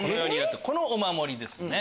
このお守りですね。